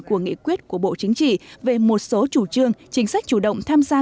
của nghị quyết của bộ chính trị về một số chủ trương chính sách chủ động tham gia